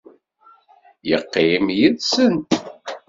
Yeqqim yid-sent.